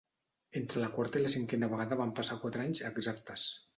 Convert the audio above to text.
Entre la quarta i la cinquena vegada van passar quatre anys exactes.